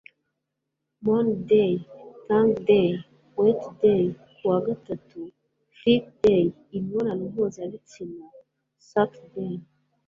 moanday tongueday wetday ku wa gatatu freakday imibonano mpuzabitsina suckday